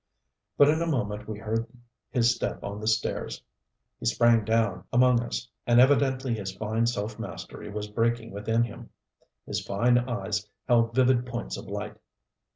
But in a moment we heard his step on the stairs. He sprang down among us, and evidently his fine self mastery was breaking within him. His fine eyes held vivid points of light.